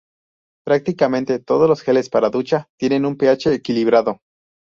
Prácticamente todos los geles para ducha tienen un pH equilibrado.